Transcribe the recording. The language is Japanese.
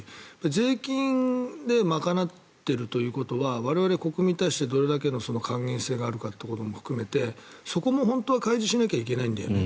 税金で賄っているということは我々国民に対してどれだけの還元性があるかということも含めてそこも本当は開示しないといけないんだよね。